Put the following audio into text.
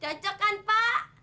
cocok kan pak